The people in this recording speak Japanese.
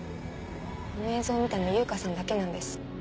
あの映像を見たの悠香さんだけなんです。